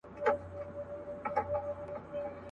لکه پتڼ وزر مي وړمه د سره اور تر کلي.